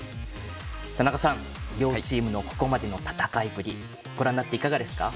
田中さん、両チームのここまでの戦いぶりご覧になって、いかがですか？